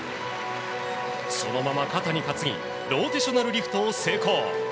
そのまま肩に担ぎローテーショナルリフトを成功。